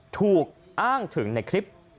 ถูกอ้างถึงในคลิป